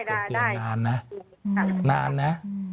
เกือบเดือนนานนะนานนะ